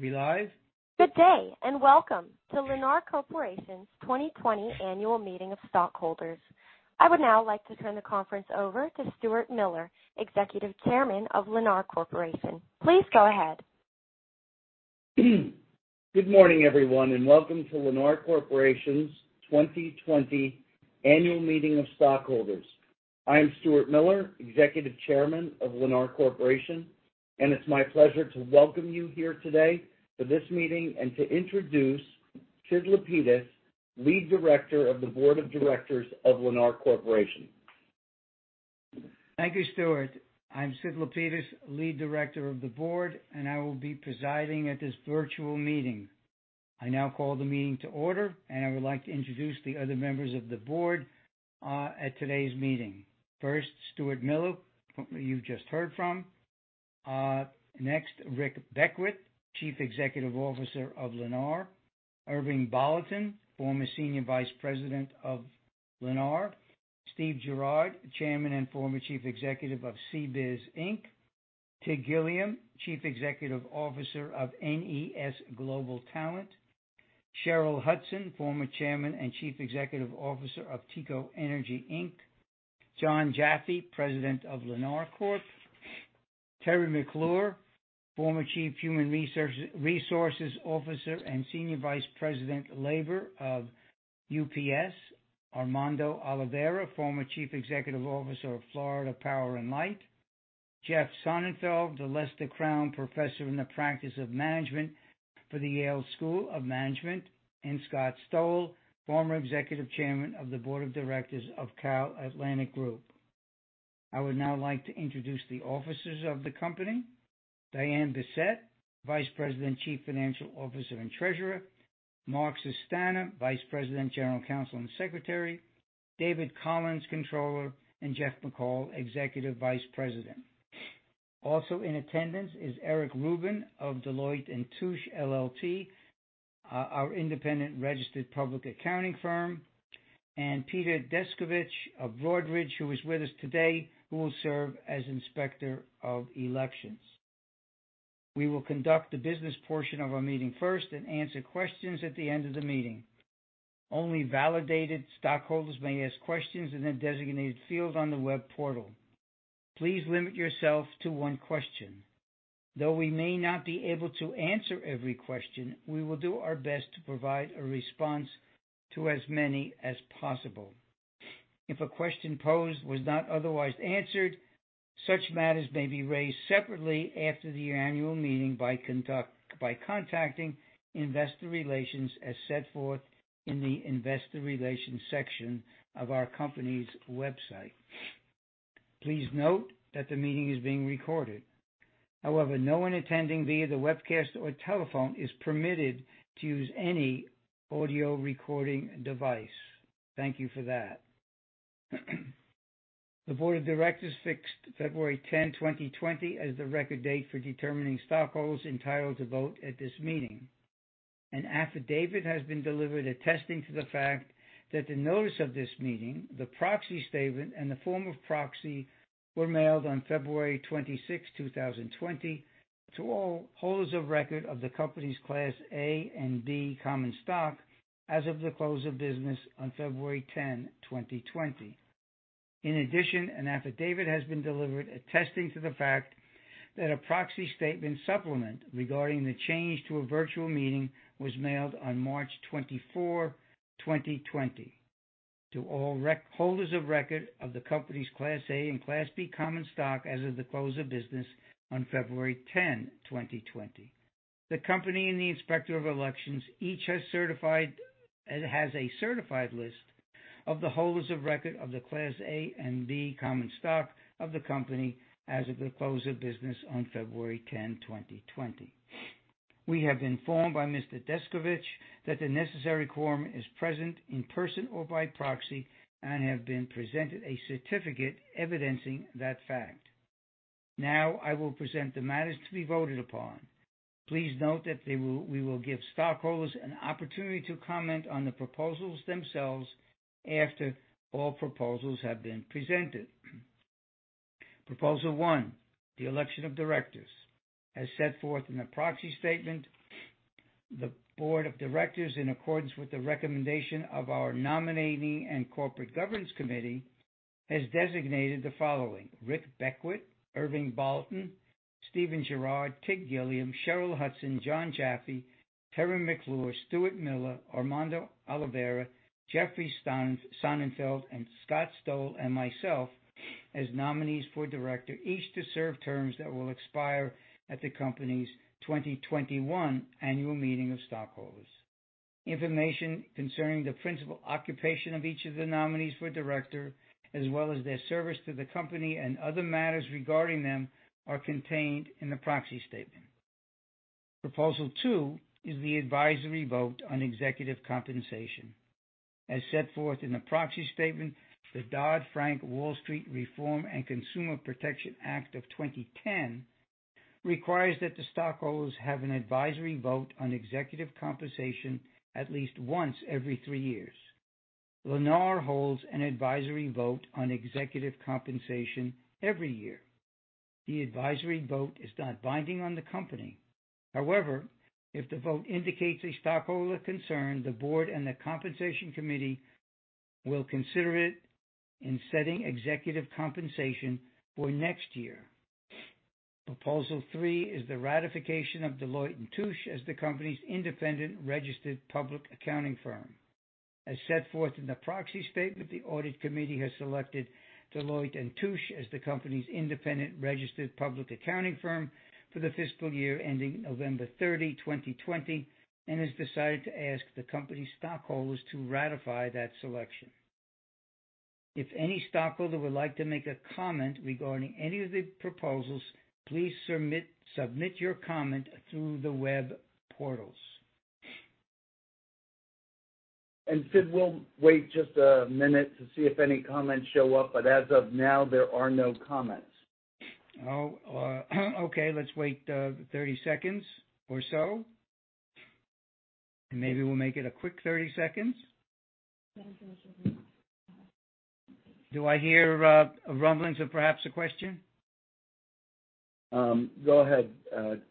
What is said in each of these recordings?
We live? Good day, welcome to Lennar Corporation's 2020 Annual Meeting of Stockholders. I would now like to turn the conference over to Stuart Miller, Executive Chairman of Lennar Corporation. Please go ahead. Good morning, everyone, and welcome to Lennar Corporation's 2020 Annual Meeting of Stockholders. I am Stuart Miller, Executive Chairman of Lennar Corporation, and it's my pleasure to welcome you here today for this meeting and to introduce Sidney Lapidus, Lead Director of the Board of Directors of Lennar Corporation. Thank you, Stuart. I'm Sid Lapidus, Lead Director of the Board, and I will be presiding at this virtual meeting. I now call the meeting to order, and I would like to introduce the other members of the board at today's meeting. First, Stuart Miller, who you've just heard from. Next, Rick Beckwitt, Chief Executive Officer of Lennar. Irving Bolotin, former Senior Vice President of Lennar. Steven Gerard, Chairman and former Chief Executive of CBIZ, Inc. Tig Gilliam, Chief Executive Officer of NES Global Talent. Sherrill Hudson, former Chairman and Chief Executive Officer of TECO Energy, Inc. Jon Jaffe, President of Lennar Corp. Teri McClure, former Chief Human Resources Officer and Senior Vice President, Labor of UPS. Armando Olivera, former Chief Executive Officer of Florida Power & Light. Jeffrey Sonnenfeld, the Lester Crown Professor in the Practice of Management for the Yale School of Management. Scott Stowell, former Executive Chairman of the Board of Directors of CalAtlantic Group. I would now like to introduce the officers of the company. Diane Bessette, Vice President, Chief Financial Officer, and Treasurer. Mark Sustana, Vice President, General Counsel, and Secretary. David Collins, Controller, and Jeff McCall, Executive Vice President. Also in attendance is Eric Rubin of Deloitte & Touche LLP, our independent registered public accounting firm. Peter Descovich of Broadridge, who is with us today, who will serve as Inspector of Elections. We will conduct the business portion of our meeting first and answer questions at the end of the meeting. Only validated stockholders may ask questions in the designated field on the web portal. Please limit yourself to one question. Though we may not be able to answer every question, we will do our best to provide a response to as many as possible. If a question posed was not otherwise answered, such matters may be raised separately after the annual meeting by contacting investor relations as set forth in the investor relations section of our company's website. Please note that the meeting is being recorded. However, no one attending via the webcast or telephone is permitted to use any audio recording device. Thank you for that. The Board of Directors fixed February 10, 2020, as the record date for determining stockholders entitled to vote at this meeting. An affidavit has been delivered attesting to the fact that the notice of this meeting, the proxy statement, and the form of proxy were mailed on February 26, 2020, to all holders of record of the company's Class A and Class B common stock as of the close of business on February 10, 2020. In addition, an affidavit has been delivered attesting to the fact that a proxy statement supplement regarding the change to a virtual meeting was mailed on March 24, 2020, to all holders of record of the company's Class A and Class B common stock as of the close of business on February 10, 2020. The company and the Inspector of Elections each has a certified list of the holders of record of the Class A and Class B common stock of the company as of the close of business on February 10, 2020. We have been informed by Mr. Descovich that the necessary quorum is present in person or by proxy and have been presented a certificate evidencing that fact. Now, I will present the matters to be voted upon. Please note that we will give stockholders an opportunity to comment on the proposals themselves after all proposals have been presented. Proposal one, the election of directors. As set forth in the proxy statement, the Board of Directors, in accordance with the recommendation of our Nominating and Corporate Governance Committee, has designated the following: Rick Beckwitt, Irving Bolotin, Steven Gerard, Tig Gilliam, Sherrill Hudson, Jon Jaffe, Teri McClure, Stuart Miller, Armando Olivera, Jeffrey Sonnenfeld, and Scott Stowell, and myself as nominees for director, each to serve terms that will expire at the company's 2021 Annual Meeting of Stockholders. Information concerning the principal occupation of each of the nominees for director, as well as their service to the company and other matters regarding them, are contained in the proxy statement. Proposal two is the advisory vote on executive compensation. As set forth in the proxy statement, the Dodd-Frank Wall Street Reform and Consumer Protection Act of 2010 requires that the stockholders have an advisory vote on executive compensation at least once every three years. Lennar holds an advisory vote on executive compensation every year. The advisory vote is not binding on the company. However, if the vote indicates a stockholder concern, the board and the compensation committee will consider it in setting executive compensation for next year. Proposal three is the ratification of Deloitte & Touche as the company's independent registered public accounting firm. As set forth in the proxy statement, the audit committee has selected Deloitte & Touche as the company's independent registered public accounting firm for the fiscal year ending November 30, 2020, and has decided to ask the company stockholders to ratify that selection. If any stockholder would like to make a comment regarding any of the proposals, please submit your comment through the web portals. Sid, we'll wait just a minute to see if any comments show up, as of now, there are no comments. Oh, okay, let's wait 30 seconds or so. Maybe we'll make it a quick 30 seconds. Do I hear rumblings of perhaps a question? Go ahead, Alex.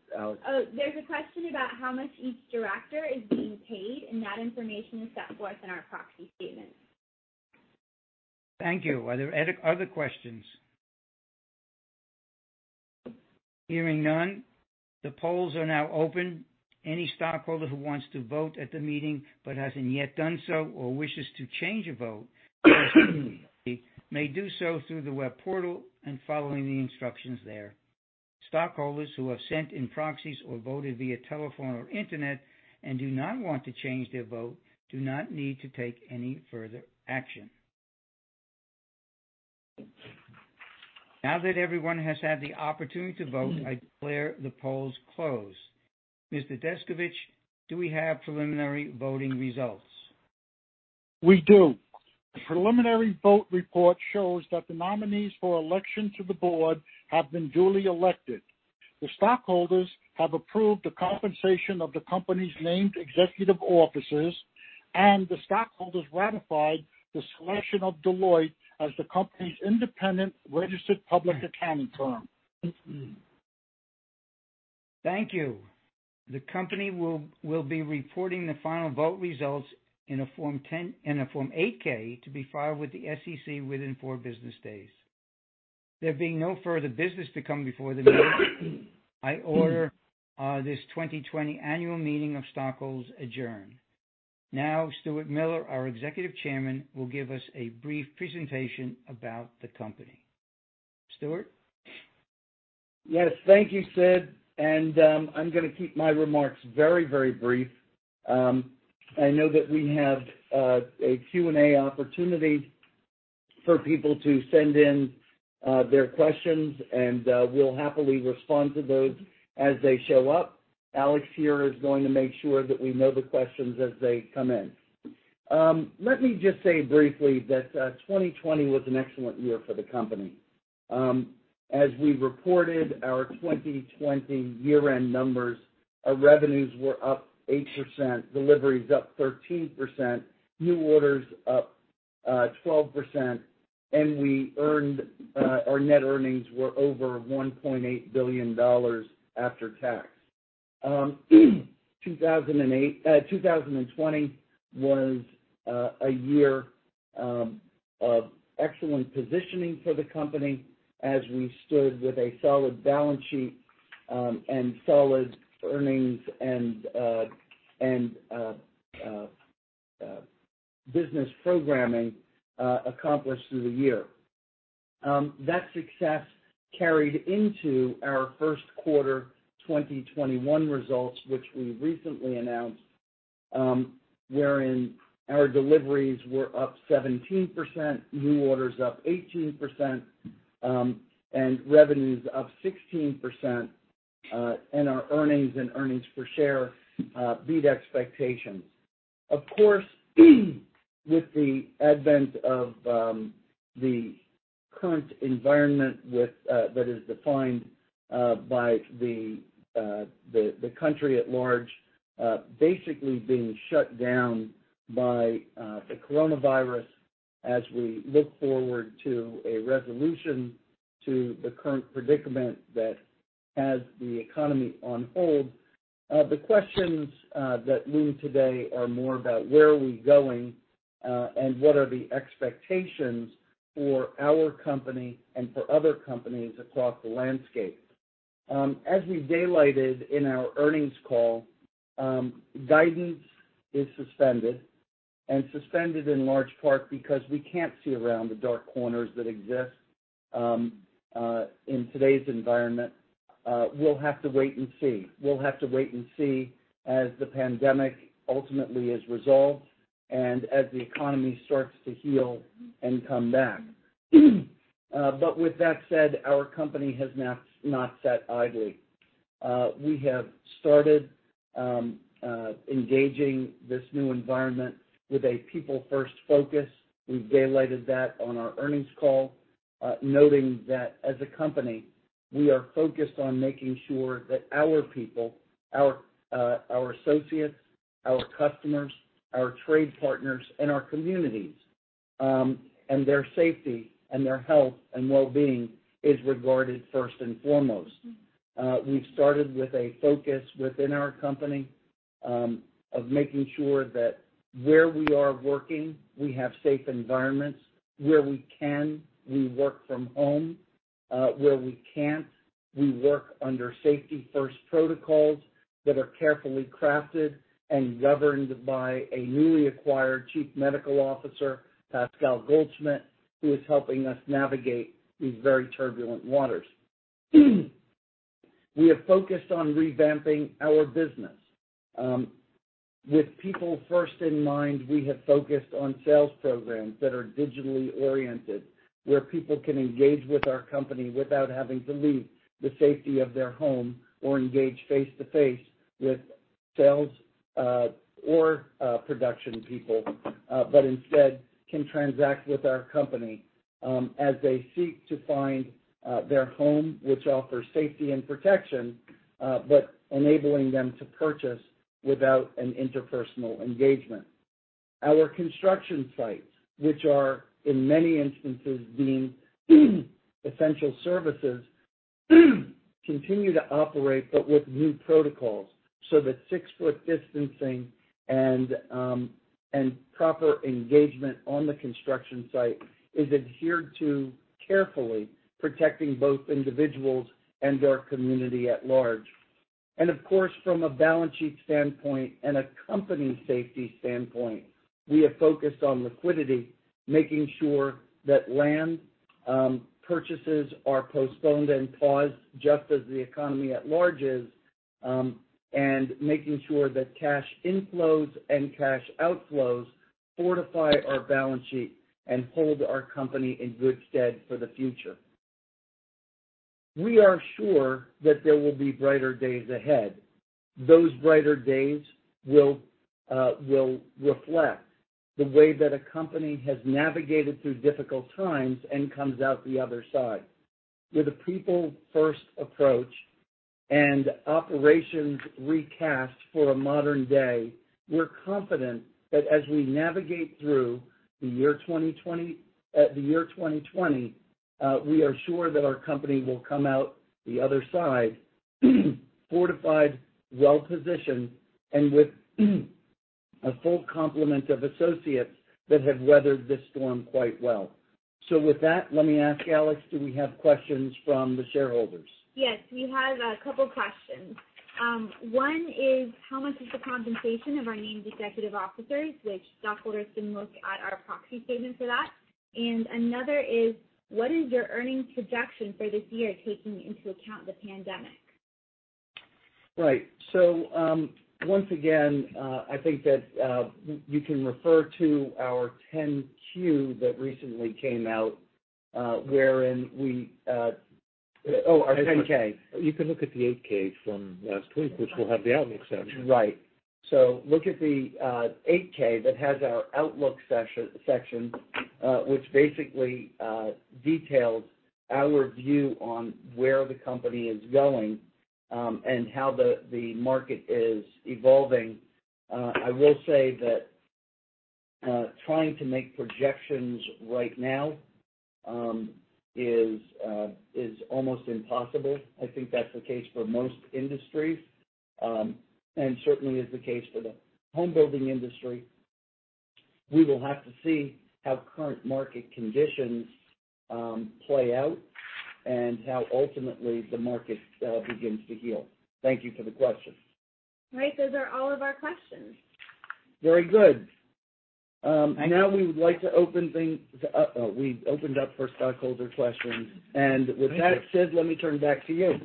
There's a question about how much each director is being paid. That information is set forth in our proxy statement. Thank you. Are there any other questions? Hearing none, the polls are now open. Any stockholder who wants to vote at the meeting but hasn't yet done so or wishes to change a vote may do so through the web portal and following the instructions there. Stockholders who have sent in proxies or voted via telephone or internet and do not want to change their vote do not need to take any further action. Now that everyone has had the opportunity to vote, I declare the polls closed. Mr. Deskovich, do we have preliminary voting results? We do. The preliminary vote report shows that the nominees for election to the board have been duly elected. The stockholders have approved the compensation of the company's named executive officers. The stockholders ratified the selection of Deloitte as the company's independent registered public accounting firm. Thank you. The company will be reporting the final vote results in a Form 8-K to be filed with the SEC within four business days. There being no further business to come before the meeting, I order this 2020 annual meeting of stockholders adjourned. Now, Stuart Miller, our executive chairman, will give us a brief presentation about the company. Stuart? Yes. Thank you, Sid. I'm going to keep my remarks very brief. I know that we have a Q&A opportunity for people to send in their questions, and we'll happily respond to those as they show up. Alex here is going to make sure that we know the questions as they come in. Let me just say briefly that 2020 was an excellent year for the company. As we reported our 2020 year-end numbers, our revenues were up 8%, deliveries up 13%, new orders up 12%, and our net earnings were over $1.8 billion after tax. 2020 was a year of excellent positioning for the company as we stood with a solid balance sheet and solid earnings and business programming accomplished through the year. That success carried into our first quarter 2021 results, which we recently announced, wherein our deliveries were up 17%, new orders up 18%, and revenues up 16%, and our earnings and earnings per share beat expectations. Of course, with the advent of the current environment that is defined by the country at large basically being shut down by the coronavirus, as we look forward to a resolution to the current predicament that has the economy on hold, the questions that loom today are more about where are we going and what are the expectations for our company and for other companies across the landscape. As we daylighted in our earnings call, guidance is suspended, and suspended in large part because we can't see around the dark corners that exist in today's environment. We'll have to wait and see. We'll have to wait and see as the pandemic ultimately is resolved and as the economy starts to heal and come back. With that said, our company has not sat idly. We have started engaging this new environment with a people-first focus. We've daylighted that on our earnings call, noting that as a company, we are focused on making sure that our people, our associates, our customers, our trade partners, and our communities, and their safety and their health and wellbeing is regarded first and foremost. We've started with a focus within our company of making sure that where we are working, we have safe environments. Where we can, we work from home. Where we can't, we work under safety-first protocols that are carefully crafted and governed by a newly acquired chief medical officer, Pascal Goldschmidt, who is helping us navigate these very turbulent waters. We have focused on revamping our business. With people first in mind, we have focused on sales programs that are digitally oriented, where people can engage with our company without having to leave the safety of their home, or engage face-to-face with sales or production people, but instead can transact with our company as they seek to find their home, which offers safety and protection, but enabling them to purchase without an interpersonal engagement. Our construction sites, which are, in many instances, deemed essential services, continue to operate, but with new protocols so that six-foot distancing and proper engagement on the construction site is adhered to carefully, protecting both individuals and our community at large. Of course, from a balance sheet standpoint and a company safety standpoint, we have focused on liquidity, making sure that land purchases are postponed and paused, just as the economy at large is, and making sure that cash inflows and cash outflows fortify our balance sheet and hold our company in good stead for the future. We are sure that there will be brighter days ahead. Those brighter days will reflect the way that a company has navigated through difficult times and comes out the other side. With a people-first approach and operations recast for a modern day, we're confident that as we navigate through the year 2020, we are sure that our company will come out the other side, fortified, well-positioned, and with a full complement of associates that have weathered this storm quite well. With that, let me ask Alex, do we have questions from the shareholders? Yes, we have a couple questions. One is, how much is the compensation of our named executive officers, which stockholders can look at our proxy statement for that. Another is, what is your earnings projection for this year, taking into account the pandemic? Right. Once again, I think that you can refer to our 10-Q that recently came out, wherein we Oh, our 10-K. You can look at the 8-K from last week, which will have the outlook section. Right. Look at the 8-K that has our outlook section, which basically details our view on where the company is going, and how the market is evolving. I will say that trying to make projections right now is almost impossible. I think that's the case for most industries, and certainly is the case for the homebuilding industry. We will have to see how current market conditions play out and how ultimately the market begins to heal. Thank you for the question. All right, those are all of our questions. Very good. We've opened up for stockholder questions. With that said, let me turn it back to you.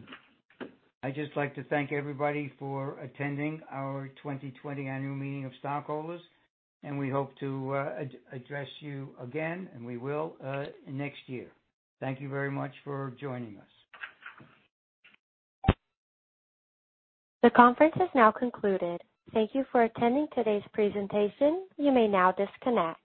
I'd just like to thank everybody for attending our 2020 annual meeting of stockholders, and we hope to address you again, and we will next year. Thank you very much for joining us. The conference has now concluded. Thank you for attending today's presentation. You may now disconnect.